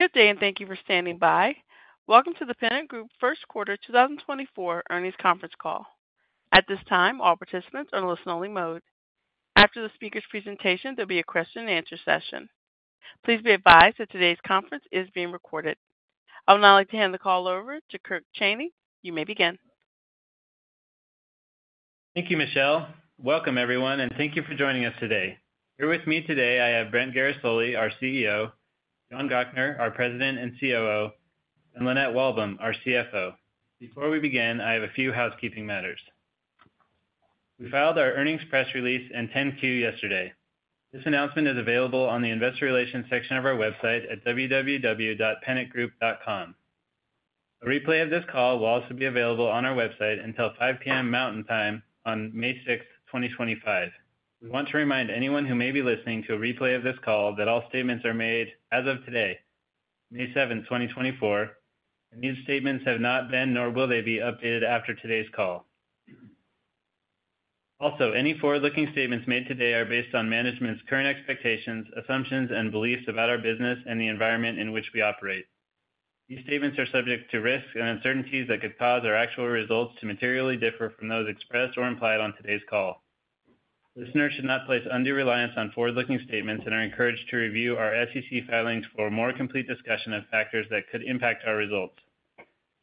Good day, and thank you for standing by. Welcome to the Pennant Group first quarter 2024 earnings conference call. At this time, all participants are in listen-only mode. After the speaker's presentation, there'll be a question and answer session. Please be advised that today's conference is being recorded. I would now like to hand the call over to Kirk Cheney. You may begin. Thank you, Michelle. Welcome, everyone, and thank you for joining us today. Here with me today, I have Brent Guerisoli, our CEO; John Gochnour, our President and COO; and Lynette Walbom, our CFO. Before we begin, I have a few housekeeping matters. We filed our earnings press release and 10-Q yesterday. This announcement is available on the investor relations section of our website at www.pennantgroup.com. A replay of this call will also be available on our website until 5:00 P.M. Mountain Time on May 6, 2025. We want to remind anyone who may be listening to a replay of this call that all statements are made as of today, May 7, 2024, and these statements have not been, nor will they be updated after today's call. Also, any forward-looking statements made today are based on management's current expectations, assumptions, and beliefs about our business and the environment in which we operate. These statements are subject to risks and uncertainties that could cause our actual results to materially differ from those expressed or implied on today's call. Listeners should not place undue reliance on forward-looking statements and are encouraged to review our SEC filings for a more complete discussion of factors that could impact our results.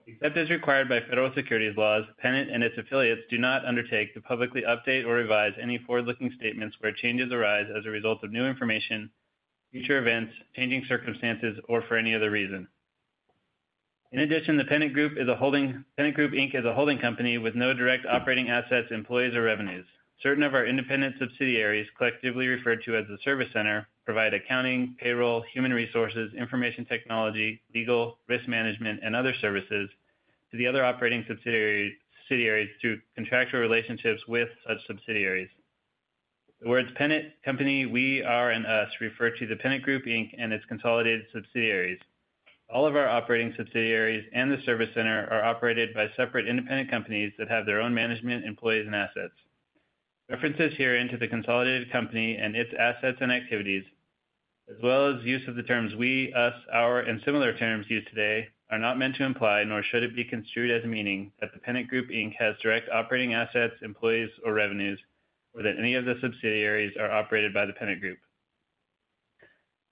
Except as required by federal securities laws, Pennant and its affiliates do not undertake to publicly update or revise any forward-looking statements where changes arise as a result of new information, future events, changing circumstances, or for any other reason. In addition, The Pennant Group, Inc., is a holding company with no direct operating assets, employees, or revenues. Certain of our independent subsidiaries, collectively referred to as the Service Center, provide accounting, payroll, human resources, information technology, legal, risk management, and other services to the other operating subsidiaries through contractual relationships with such subsidiaries. The words Pennant company, we, our, and us refer to the Pennant Group, Inc., and its consolidated subsidiaries. All of our operating subsidiaries and the Service Center are operated by separate independent companies that have their own management, employees, and assets. References herein to the consolidated company and its assets and activities, as well as use of the terms we, us, our, and similar terms used today, are not meant to imply, nor should it be construed as meaning, that the Pennant Group, Inc., has direct operating assets, employees, or revenues, or that any of the subsidiaries are operated by the Pennant Group.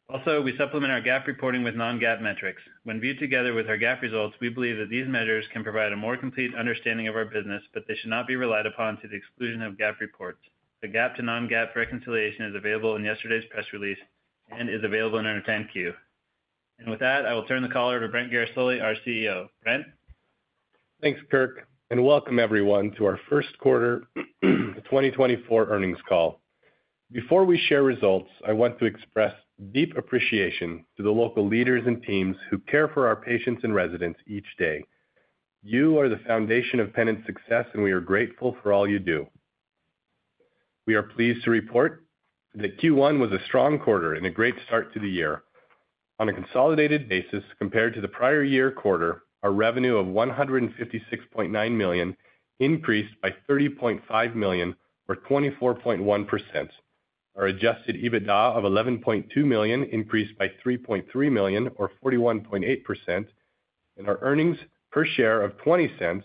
Also, we supplement our GAAP reporting with non-GAAP metrics. When viewed together with our GAAP results, we believe that these measures can provide a more complete understanding of our business, but they should not be relied upon to the exclusion of GAAP reports. The GAAP to non-GAAP reconciliation is available in yesterday's press release and is available in our 10-Q. And with that, I will turn the call over to Brent Guerisoli, our CEO. Brent? Thanks, Kirk, and welcome everyone to our first quarter 2024 earnings call. Before we share results, I want to express deep appreciation to the local leaders and teams who care for our patients and residents each day. You are the foundation of Pennant's success, and we are grateful for all you do. We are pleased to report that Q1 was a strong quarter and a great start to the year. On a consolidated basis, compared to the prior year quarter, our revenue of $156.9 million increased by $30.5 million, or 24.1%. Our adjusted EBITDA of $11.2 million increased by $3.3 million, or 41.8%, and our earnings per share of $0.20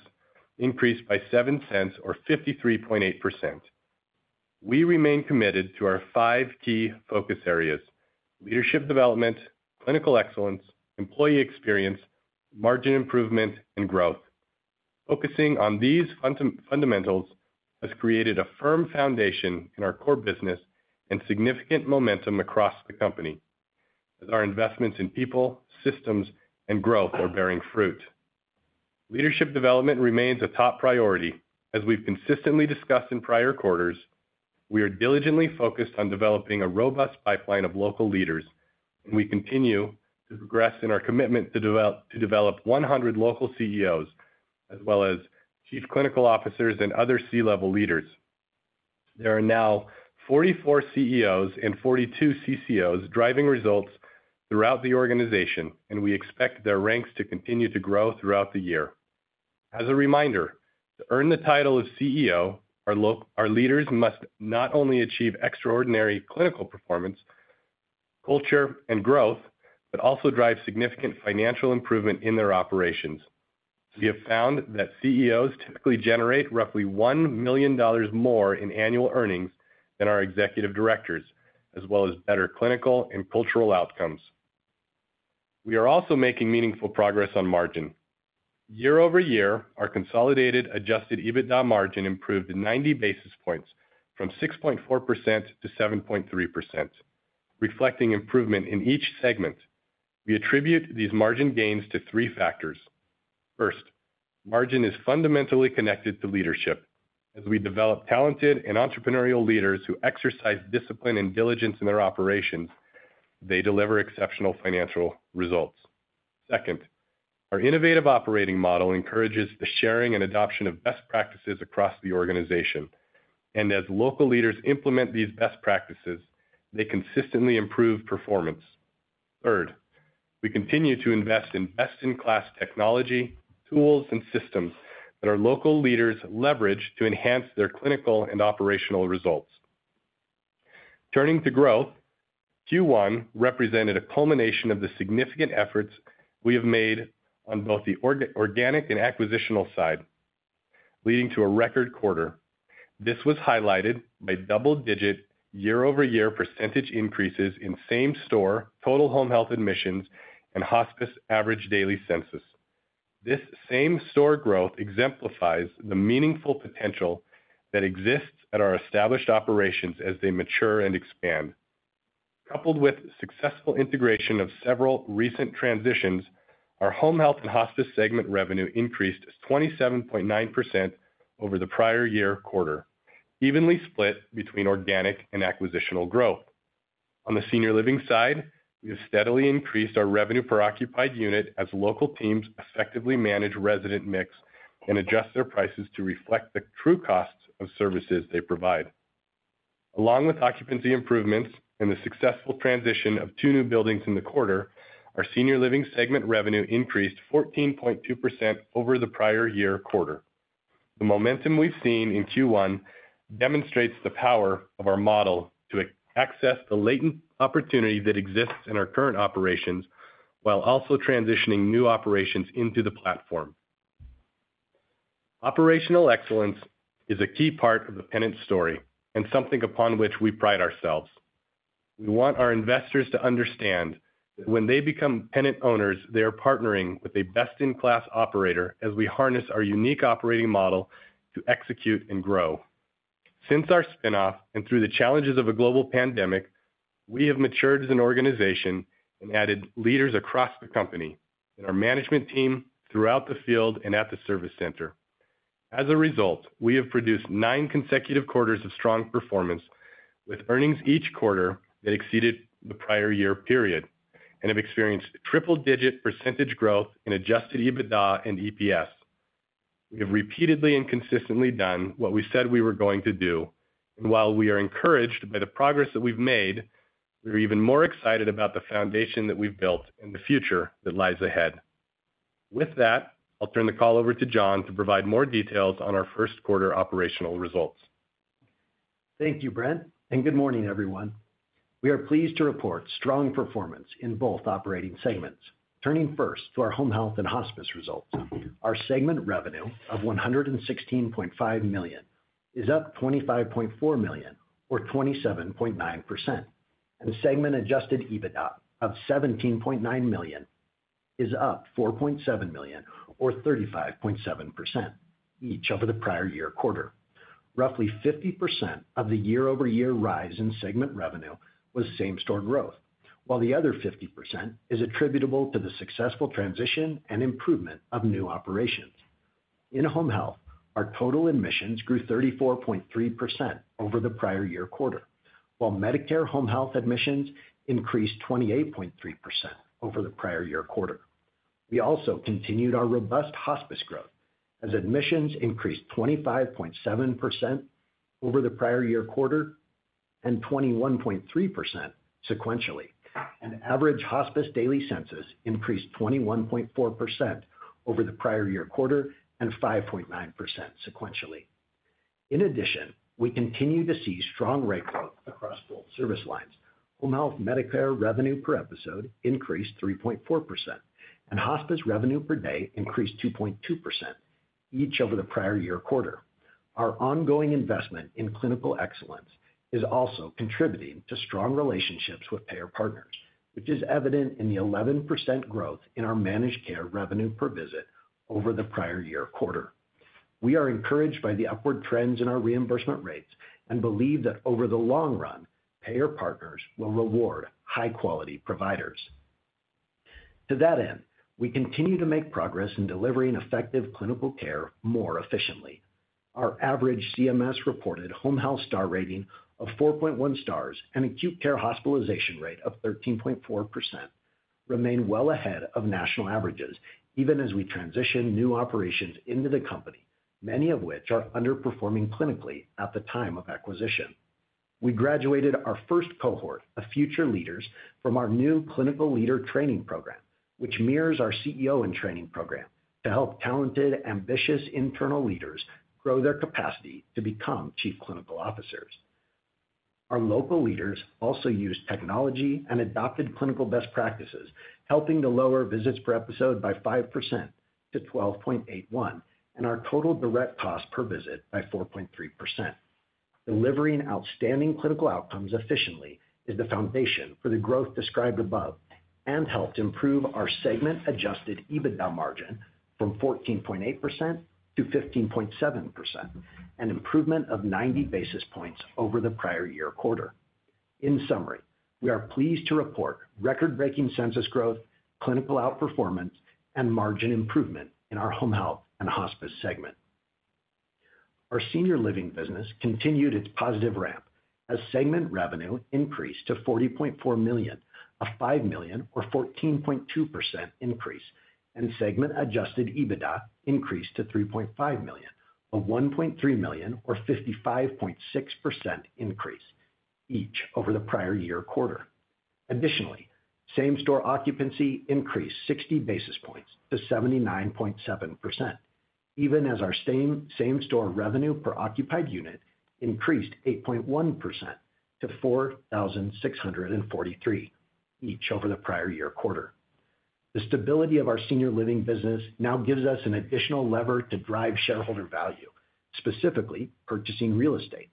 increased by $0.07 or 53.8%. We remain committed to our five key focus areas: leadership development, clinical excellence, employee experience, margin improvement, and growth. Focusing on these fundamentals has created a firm foundation in our core business and significant momentum across the company, as our investments in people, systems, and growth are bearing fruit. Leadership development remains a top priority. As we've consistently discussed in prior quarters, we are diligently focused on developing a robust pipeline of local leaders, and we continue to progress in our commitment to develop 100 local CEOs, as well as Chief Clinical Officers and other C-level leaders. There are now 44 CEOs and 42 CCOs driving results throughout the organization, and we expect their ranks to continue to grow throughout the year. As a reminder, to earn the title of CEO, our our leaders must not only achieve extraordinary clinical performance, culture, and growth, but also drive significant financial improvement in their operations. We have found that CEOs typically generate roughly $1 million more in annual earnings than our Executive Directors, as well as better clinical and cultural outcomes. We are also making meaningful progress on margin. Year-over-year, our consolidated Adjusted EBITDA margin improved 90 basis points from 6.4% to 7.3%, reflecting improvement in each segment. We attribute these margin gains to three factors. First, margin is fundamentally connected to leadership. As we develop talented and entrepreneurial leaders who exercise discipline and diligence in their operations, they deliver exceptional financial results. Second, our innovative operating model encourages the sharing and adoption of best practices across the organization, and as local leaders implement these best practices, they consistently improve performance. Third, we continue to invest in best-in-class technology, tools, and systems that our local leaders leverage to enhance their clinical and operational results... Turning to growth, Q1 represented a culmination of the significant efforts we have made on both the organic and acquisitional side, leading to a record quarter. This was highlighted by double-digit, year-over-year percentage increases in same-store, total home health admissions, and hospice average daily census. This same-store growth exemplifies the meaningful potential that exists at our established operations as they mature and expand. Coupled with successful integration of several recent transitions, our home health and hospice segment revenue increased 27.9% over the prior year quarter, evenly split between organic and acquisitional growth. On the senior living side, we have steadily increased our revenue per occupied unit as local teams effectively manage resident mix and adjust their prices to reflect the true costs of services they provide. Along with occupancy improvements and the successful transition of two new buildings in the quarter, our senior living segment revenue increased 14.2% over the prior year quarter. The momentum we've seen in Q1 demonstrates the power of our model to access the latent opportunity that exists in our current operations, while also transitioning new operations into the platform. Operational excellence is a key part of the Pennant story and something upon which we pride ourselves. We want our investors to understand that when they become Pennant owners, they are partnering with a best-in-class operator as we harness our unique operating model to execute and grow. Since our spin-off, and through the challenges of a global pandemic, we have matured as an organization and added leaders across the company, in our management team, throughout the field, and at the Service Center. As a result, we have produced nine consecutive quarters of strong performance, with earnings each quarter that exceeded the prior year period, and have experienced triple-digit percentage growth in Adjusted EBITDA and EPS. We have repeatedly and consistently done what we said we were going to do, and while we are encouraged by the progress that we've made, we're even more excited about the foundation that we've built and the future that lies ahead. With that, I'll turn the call over to John to provide more details on our first quarter operational results. Thank you, Brent, and good morning, everyone. We are pleased to report strong performance in both operating segments. Turning first to our home health and hospice results, our segment revenue of $116.5 million is up $25.4 million, or 27.9%, and segment adjusted EBITDA of $17.9 million is up $4.7 million, or 35.7%, each over the prior year quarter. Roughly 50% of the year-over-year rise in segment revenue was same-store growth, while the other 50% is attributable to the successful transition and improvement of new operations. In home health, our total admissions grew 34.3% over the prior year quarter, while Medicare home health admissions increased 28.3% over the prior year quarter. We also continued our robust hospice growth, as admissions increased 25.7% over the prior year quarter and 21.3% sequentially, and average hospice daily census increased 21.4% over the prior year quarter and 5.9% sequentially. In addition, we continue to see strong rate growth across both service lines. Home health Medicare revenue per episode increased 3.4%, and hospice revenue per day increased 2.2%, each over the prior year quarter. Our ongoing investment in clinical excellence is also contributing to strong relationships with payer partners, which is evident in the 11% growth in our managed care revenue per visit over the prior year quarter. We are encouraged by the upward trends in our reimbursement rates and believe that over the long run, payer partners will reward high-quality providers. To that end, we continue to make progress in delivering effective clinical care more efficiently. Our average CMS-reported home health star rating of 4.1 stars and acute care hospitalization rate of 13.4% remain well ahead of national averages, even as we transition new operations into the company, many of which are underperforming clinically at the time of acquisition. We graduated our first cohort of future leaders from our new clinical leader training program, which mirrors our CEO in Training program, to help talented, ambitious internal leaders grow their capacity to become Chief Clinical Officers. Our local leaders also use technology and adopted clinical best practices, helping to lower visits per episode by 5% to 12.81, and our total direct cost per visit by 4.3%. Delivering outstanding clinical outcomes efficiently is the foundation for the growth described above and helped improve our segment adjusted EBITDA margin from 14.8% to 15.7%, an improvement of 90 basis points over the prior year quarter. In summary, we are pleased to report record-breaking census growth, clinical outperformance, and margin improvement in our home health and hospice segment. Our senior living business continued its positive ramp as segment revenue increased to $40.4 million, a $5 million, or 14.2%, increase, and segment adjusted EBITDA increased to $3.5 million, a $1.3 million, or 55.6%, increase, each over the prior year quarter. Additionally, same-store occupancy increased 60 basis points to 79.7%, even as our same-store revenue per occupied unit increased 8.1% to $4,643, each over the prior year quarter. The stability of our senior living business now gives us an additional lever to drive shareholder value, specifically purchasing real estate.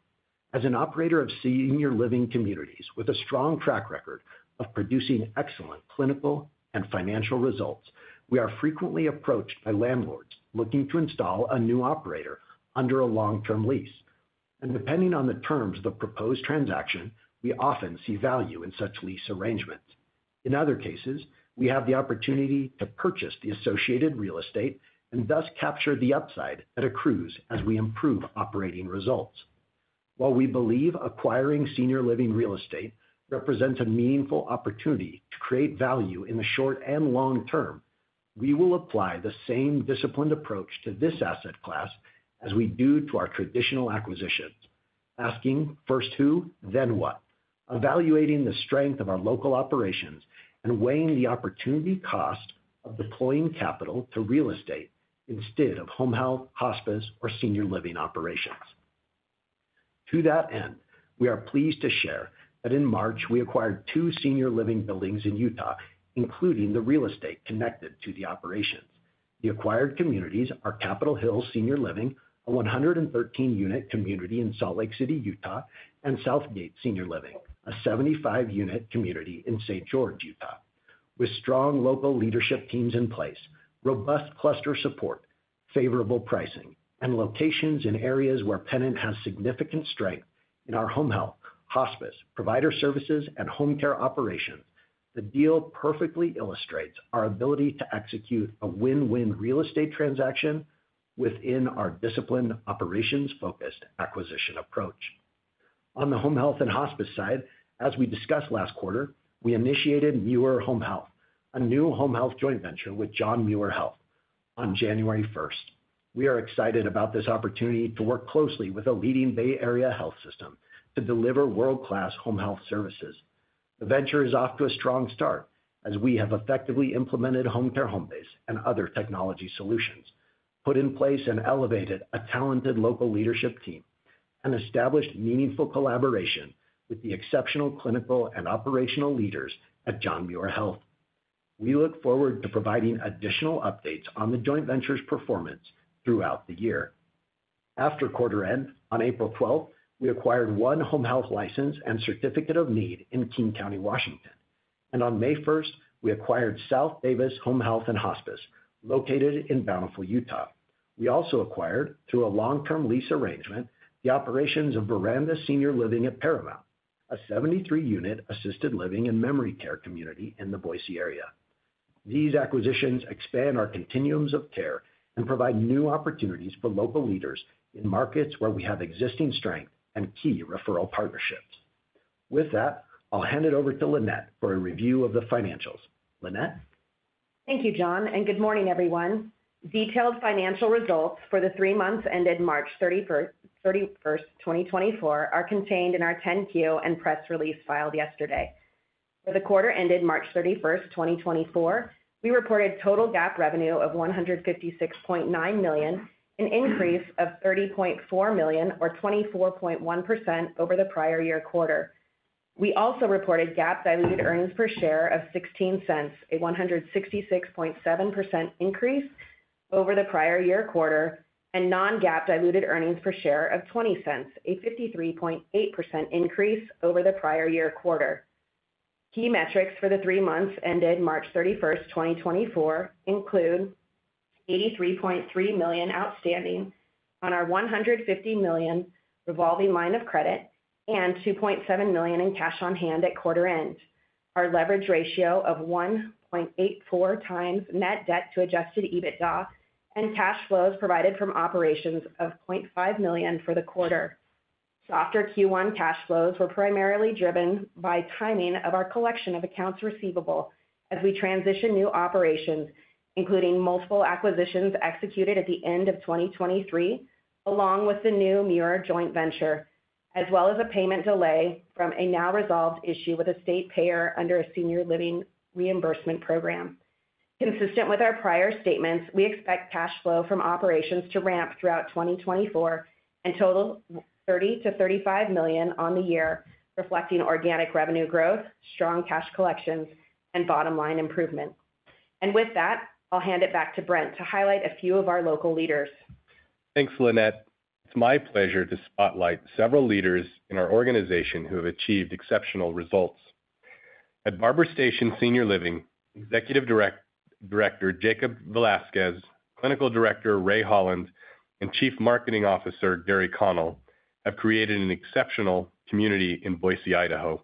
As an operator of senior living communities with a strong track record of producing excellent clinical and financial results, we are frequently approached by landlords looking to install a new operator under a long-term lease. Depending on the terms of the proposed transaction, we often see value in such lease arrangements. In other cases, we have the opportunity to purchase the associated real estate and thus capture the upside that accrues as we improve operating results. While we believe acquiring senior living real estate represents a meaningful opportunity to create value in the short and long term, we will apply the same disciplined approach to this asset class as we do to our traditional acquisitions. Asking first who, then what? Evaluating the strength of our local operations and weighing the opportunity cost of deploying capital to real estate instead of home health, hospice, or senior living operations. To that end, we are pleased to share that in March, we acquired two senior living buildings in Utah, including the real estate connected to the operations. The acquired communities are Capitol Hill Senior Living, a 113-unit community in Salt Lake City, Utah, and Southgate Senior Living, a 75-unit community in St. George, Utah. With strong local leadership teams in place, robust cluster support, favorable pricing, and locations in areas where Pennant has significant strength in our home health, hospice, provider services, and home care operations, the deal perfectly illustrates our ability to execute a win-win real estate transaction within our disciplined, operations-focused acquisition approach. On the home health and hospice side, as we discussed last quarter, we initiated Muir Home Health, a new home health joint venture with John Muir Health on January first. We are excited about this opportunity to work closely with a leading Bay Area health system to deliver world-class home health services. The venture is off to a strong start, as we have effectively implemented Homecare Homebase and other technology solutions, put in place and elevated a talented local leadership team, and established meaningful collaboration with the exceptional clinical and operational leaders at John Muir Health. We look forward to providing additional updates on the joint venture's performance throughout the year. After quarter end, on April 12th, we acquired one home health license and certificate of need in King County, Washington, and on May 1st, we acquired South Davis Home Health and Hospice, located in Bountiful, Utah. We also acquired, through a long-term lease arrangement, the operations of Veranda Senior Living at Paramount, a 73-unit assisted living and memory care community in the Boise area. These acquisitions expand our continuums of care and provide new opportunities for local leaders in markets where we have existing strength and key referral partnerships. With that, I'll hand it over to Lynette for a review of the financials. Lynette? Thank you, John, and good morning, everyone. Detailed financial results for the three months ended March 31st, 2024, are contained in our 10-Q and press release filed yesterday. For the quarter ended March 31st, 2024, we reported total GAAP revenue of $156.9 million, an increase of $30.4 million, or 24.1% over the prior year quarter. We also reported GAAP diluted earnings per share of $0.16, a 166.7% increase over the prior year quarter, and non-GAAP diluted earnings per share of $0.20, a 53.8% increase over the prior year quarter. Key metrics for the three months ended March 31st, 2024, include $83.3 million outstanding on our $150 million revolving line of credit and $2.7 million in cash on hand at quarter end. Our leverage ratio of 1.84x net debt to adjusted EBITDA and cash flows provided from operations of $0.5 million for the quarter. Softer Q1 cash flows were primarily driven by timing of our collection of accounts receivable as we transition new operations, including multiple acquisitions executed at the end of 2023, along with the new Muir joint venture, as well as a payment delay from a now-resolved issue with a state payer under a senior living reimbursement program. Consistent with our prior statements, we expect cash flow from operations to ramp throughout 2024 and total $30 million-$35 million on the year, reflecting organic revenue growth, strong cash collections, and bottom line improvement. With that, I'll hand it back to Brent to highlight a few of our local leaders. Thanks, Lynette. It's my pleasure to spotlight several leaders in our organization who have achieved exceptional results. At Barber Station Senior Living, Executive Director Jacob Velasquez, Clinical Director Ray Holland, and Chief Marketing Officer Gary Connell have created an exceptional community in Boise, Idaho,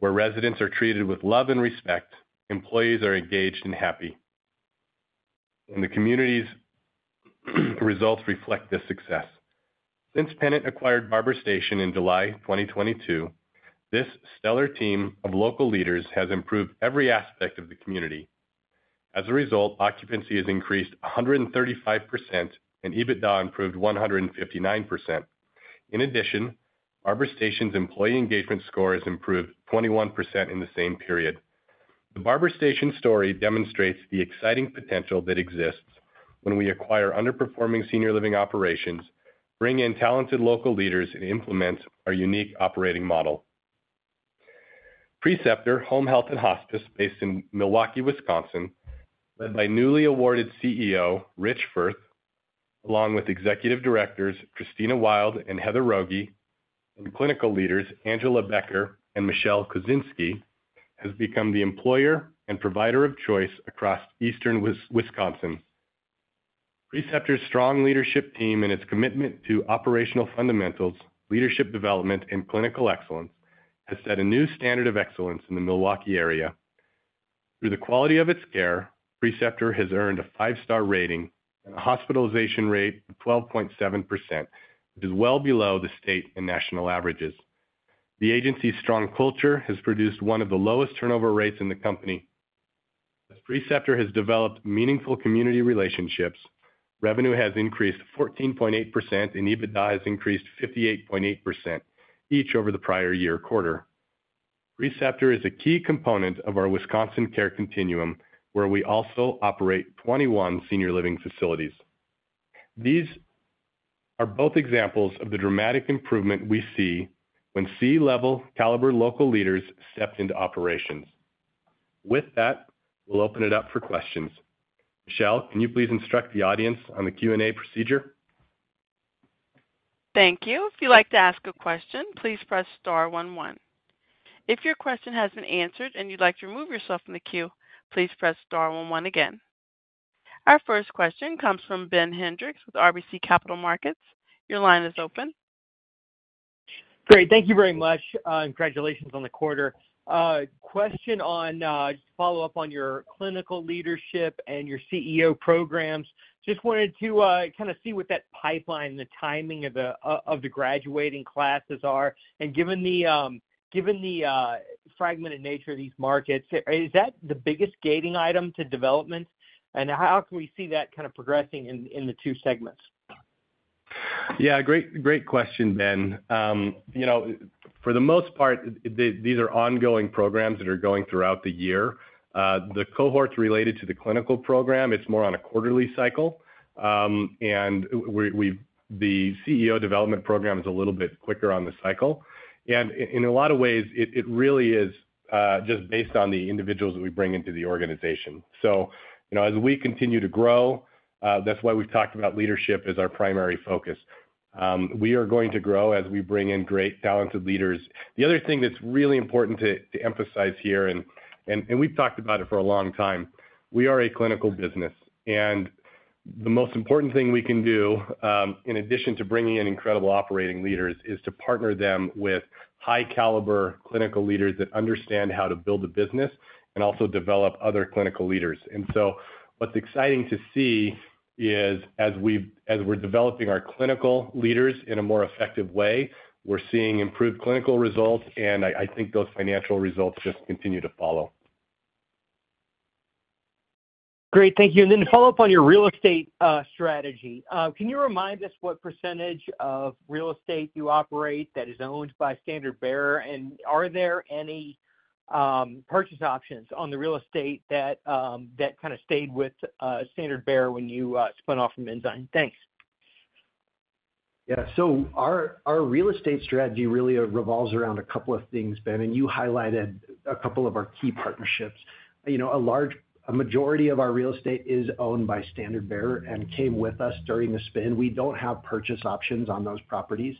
where residents are treated with love and respect, employees are engaged and happy, and the community's results reflect this success. Since Pennant acquired Barber Station in July 2022, this stellar team of local leaders has improved every aspect of the community.... As a result, occupancy has increased 135%, and EBITDA improved 159%. In addition, Barber Station's employee engagement score has improved 21% in the same period. The Barber Station story demonstrates the exciting potential that exists when we acquire underperforming senior living operations, bring in talented local leaders, and implement our unique operating model. Preceptor Home Health and Hospice, based in Milwaukee, Wisconsin, led by newly awarded CEO, Rich Firth, along with executive directors Christina Wilde and Heather Rogge, and clinical leaders Angela Becker and Michelle Kozinski, has become the employer and provider of choice across eastern Wisconsin. Preceptor's strong leadership team and its commitment to operational fundamentals, leadership development, and clinical excellence, has set a new standard of excellence in the Milwaukee area. Through the quality of its care, Preceptor has earned a five-star rating and a hospitalization rate of 12.7%, which is well below the state and national averages. The agency's strong culture has produced one of the lowest turnover rates in the company. As Preceptor has developed meaningful community relationships, revenue has increased 14.8%, and EBITDA has increased 58.8%, each over the prior year quarter. Preceptor is a key component of our Wisconsin care continuum, where we also operate 21 senior living facilities. These are both examples of the dramatic improvement we see when C-level caliber local leaders step into operations. With that, we'll open it up for questions. Michelle, can you please instruct the audience on the Q&A procedure? Thank you. If you'd like to ask a question, please press Star one, one. If your question has been answered and you'd like to remove yourself from the queue, please press Star one, one again. Our first question comes from Ben Hendrix with RBC Capital Markets. Your line is open. Great. Thank you very much. Congratulations on the quarter. Question on, just to follow up on your clinical leadership and your CEO programs. Just wanted to kind of see what that pipeline, the timing of the graduating classes are. And given the fragmented nature of these markets, is that the biggest gating item to development? And how can we see that kind of progressing in the two segments? Yeah, great, great question, Ben. You know, for the most part, these are ongoing programs that are going throughout the year. The cohorts related to the clinical program, it's more on a quarterly cycle. The CEO development program is a little bit quicker on the cycle. In a lot of ways, it really is just based on the individuals that we bring into the organization. So, you know, as we continue to grow, that's why we've talked about leadership as our primary focus. We are going to grow as we bring in great talented leaders. The other thing that's really important to emphasize here, and we've talked about it for a long time, we are a clinical business. The most important thing we can do, in addition to bringing in incredible operating leaders, is to partner them with high caliber clinical leaders that understand how to build a business and also develop other clinical leaders. And so what's exciting to see is as we're developing our clinical leaders in a more effective way, we're seeing improved clinical results, and I, I think those financial results just continue to follow. Great, thank you. And then follow up on your real estate strategy. Can you remind us what percentage of real estate you operate that is owned by Standard Bearer? And are there any purchase options on the real estate that kind of stayed with Standard Bearer when you spun off from Ensign? Thanks. Yeah. So our real estate strategy really revolves around a couple of things, Ben, and you highlighted a couple of our key partnerships. You know, a majority of our real estate is owned by Standard Bearer and came with us during the spin. We don't have purchase options on those properties.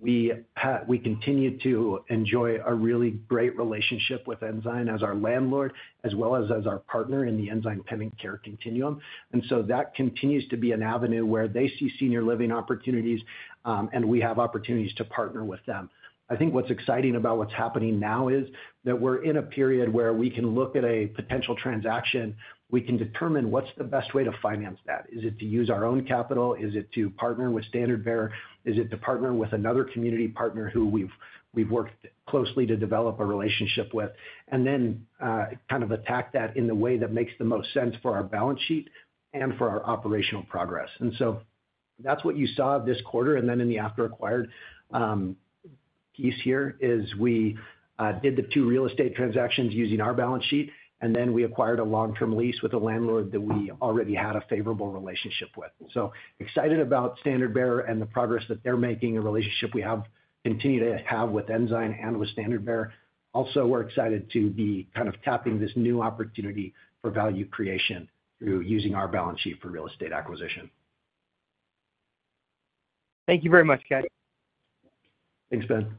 We continue to enjoy a really great relationship with Ensign as our landlord, as well as our partner in the Ensign-Pennant Care Continuum. And so that continues to be an avenue where they see senior living opportunities, and we have opportunities to partner with them. I think what's exciting about what's happening now is that we're in a period where we can look at a potential transaction, we can determine what's the best way to finance that. Is it to use our own capital? Is it to partner with Standard Bearer? Is it to partner with another community partner who we've worked closely to develop a relationship with? And then, kind of attack that in the way that makes the most sense for our balance sheet and for our operational progress. And so that's what you saw this quarter, and then in the after-acquired, piece here, is we, did the two real estate transactions using our balance sheet, and then we acquired a long-term lease with a landlord that we already had a favorable relationship with. So excited about Standard Bearer and the progress that they're making, a relationship we have, continue to have with Ensign and with Standard Bearer. Also, we're excited to be kind of tapping this new opportunity for value creation through using our balance sheet for real estate acquisition. Thank you very much, Brent. Thanks, Ben.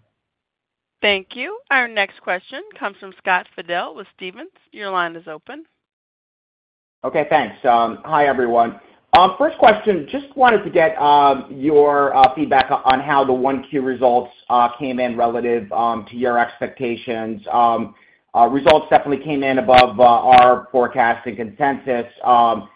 Thank you. Our next question comes from Scott Fidel with Stephens. Your line is open. Okay, thanks. Hi, everyone. First question, just wanted to get your feedback on how the 1Q results came in relative to your expectations. Results definitely came in above our forecast and consensus.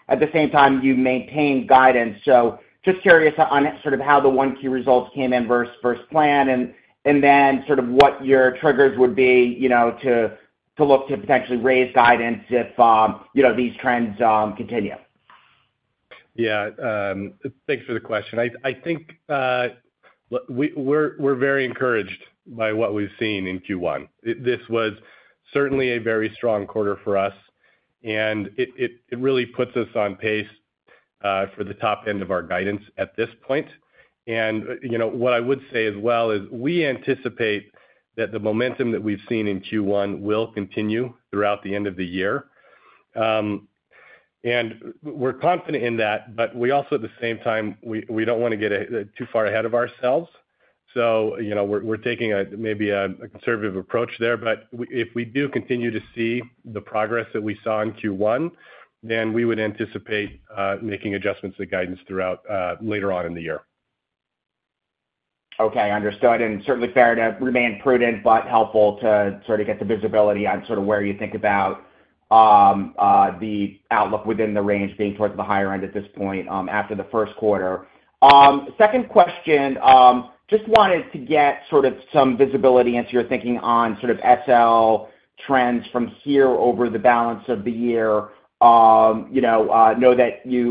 At the same time, you maintained guidance, so just curious on sort of how the 1Q results came in versus versus plan, and and then sort of what your triggers would be, you know, to to look to potentially raise guidance if you know, these trends continue?... Yeah, thanks for the question. I think, we're very encouraged by what we've seen in Q1. This was certainly a very strong quarter for us, and it really puts us on pace for the top end of our guidance at this point. And, you know, what I would say as well is we anticipate that the momentum that we've seen in Q1 will continue throughout the end of the year. And we're confident in that, but we also, at the same time, we don't wanna get too far ahead of ourselves. So, you know, we're taking a maybe a conservative approach there. But if we do continue to see the progress that we saw in Q1, then we would anticipate making adjustments to the guidance throughout later on in the year. Okay, understood, and certainly fair to remain prudent, but helpful to sort of get the visibility on sort of where you think about, the outlook within the range being towards the higher end at this point, after the first quarter. Second question, just wanted to get sort of some visibility into your thinking on sort of SL trends from here over the balance of the year. You know, know that you,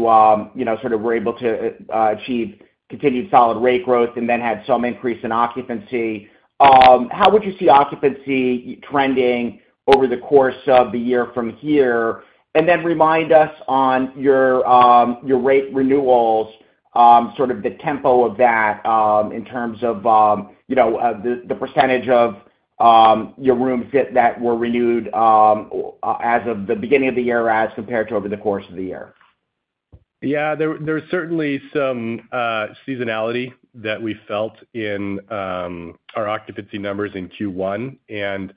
you know, sort of were able to, achieve continued solid rate growth and then had some increase in occupancy. How would you see occupancy trending over the course of the year from here? And then remind us on your rate renewals, sort of the tempo of that, in terms of you know, the percentage of your room rates that were renewed, as of the beginning of the year as compared to over the course of the year. Yeah, there, there's certainly some seasonality that we felt in our occupancy numbers in Q1, and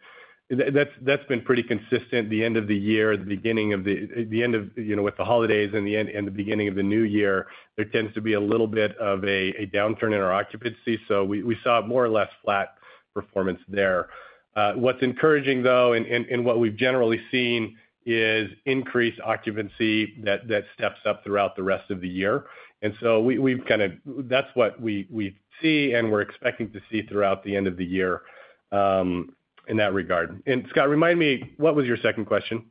that's been pretty consistent. The end of the year, the beginning of the end of, you know, with the holidays and the end, and the beginning of the new year, there tends to be a little bit of a downturn in our occupancy, so we saw a more or less flat performance there. What's encouraging, though, and what we've generally seen is increased occupancy that steps up throughout the rest of the year. And so we've kinda... That's what we see, and we're expecting to see throughout the end of the year, in that regard. And Scott, remind me, what was your second question?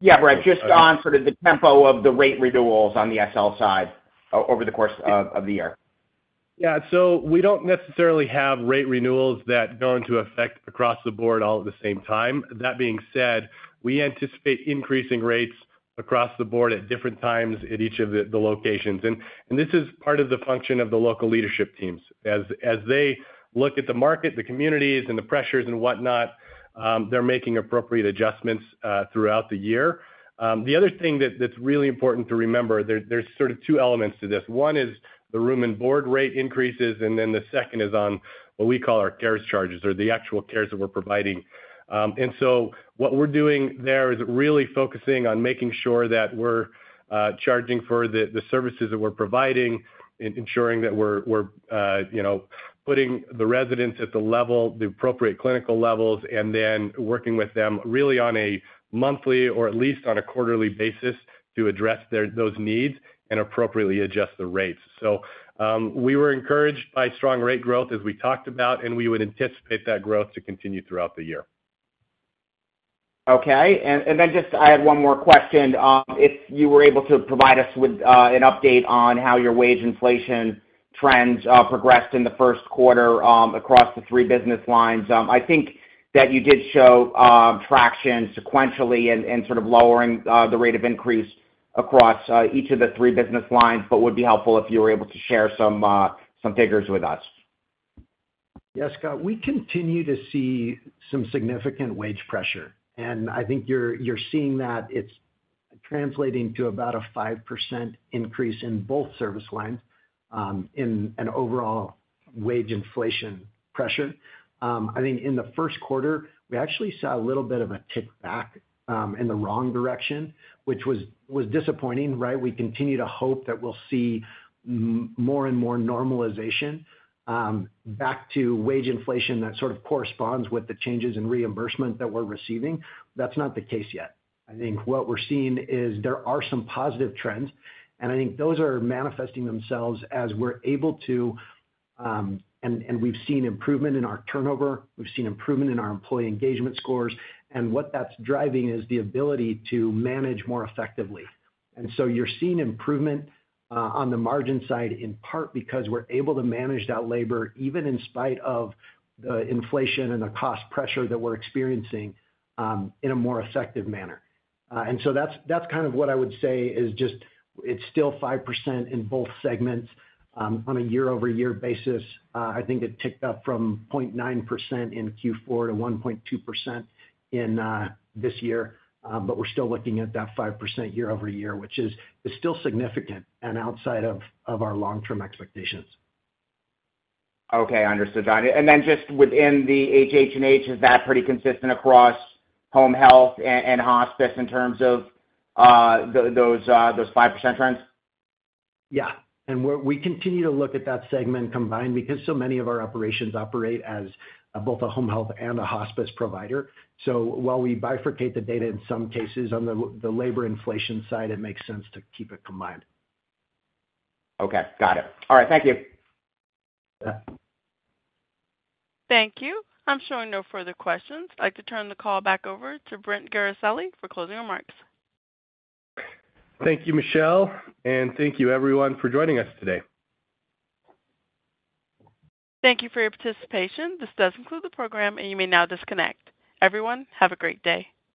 Yeah, right. Just on sort of the tempo of the rate renewals on the SL side over the course of the year? Yeah. So we don't necessarily have rate renewals that go into effect across the board all at the same time. That being said, we anticipate increasing rates across the board at different times at each of the locations. And this is part of the function of the local leadership teams. As they look at the market, the communities, and the pressures and whatnot, they're making appropriate adjustments throughout the year. The other thing that's really important to remember, there's sort of two elements to this. One is the room and board rate increases, and then the second is on what we call our care charges or the actual cares that we're providing. and so what we're doing there is really focusing on making sure that we're charging for the services that we're providing and ensuring that we're you know, putting the residents at the level, the appropriate clinical levels, and then working with them really on a monthly or at least on a quarterly basis to address their, those needs and appropriately adjust the rates. So, we were encouraged by strong rate growth, as we talked about, and we would anticipate that growth to continue throughout the year. Okay. And then just I had one more question. If you were able to provide us with an update on how your wage inflation trends progressed in the first quarter across the three business lines. I think that you did show traction sequentially and sort of lowering the rate of increase across each of the three business lines, but would be helpful if you were able to share some figures with us. Yeah, Scott, we continue to see some significant wage pressure, and I think you're seeing that it's translating to about a 5% increase in both service lines, in an overall wage inflation pressure. I think in the first quarter, we actually saw a little bit of a tick back, in the wrong direction, which was disappointing, right? We continue to hope that we'll see more and more normalization, back to wage inflation that sort of corresponds with the changes in reimbursement that we're receiving. That's not the case yet. I think what we're seeing is there are some positive trends, and I think those are manifesting themselves as we're able to, and we've seen improvement in our turnover, we've seen improvement in our employee engagement scores, and what that's driving is the ability to manage more effectively. And so you're seeing improvement on the margin side, in part because we're able to manage that labor, even in spite of the inflation and the cost pressure that we're experiencing, in a more effective manner. And so that's, that's kind of what I would say is just, it's still 5% in both segments. On a year-over-year basis, I think it ticked up from 0.9% in Q4 to 1.2% in this year. But we're still looking at that 5% year-over-year, which is, is still significant and outside of, of our long-term expectations. Okay, understood. Got it. And then just within the HH and H, is that pretty consistent across home health and hospice in terms of those 5% trends? We continue to look at that segment combined because so many of our operations operate as both a home health and a hospice provider. So while we bifurcate the data in some cases, on the labor inflation side, it makes sense to keep it combined. Okay, got it. All right, thank you. Yeah. Thank you. I'm showing no further questions. I'd like to turn the call back over to Brent Guerisoli for closing remarks. Thank you, Michelle, and thank you everyone for joining us today. Thank you for your participation. This does conclude the program, and you may now disconnect. Everyone, have a great day.